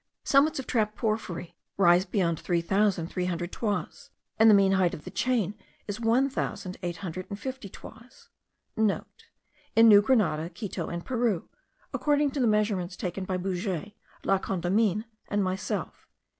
Summits of trap porphyry rise beyond three thousand three hundred toises, and the mean height of the chain* is one thousand eight hundred and fifty toises. (* In New Grenada, Quito, and Peru, according to measurements taken by Bouguer, La Condamine, and myself.)